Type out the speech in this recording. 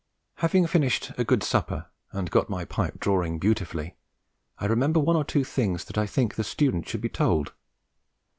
Having finished a good supper and got my pipe drawing beautifully, I remember one or two things that I think the student should be told.